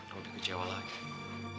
lo dikecewa lagi